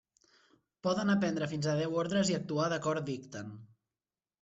Poden aprendre fins a deu ordres i actuar d'acord dicten.